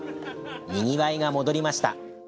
にぎわいが戻りました。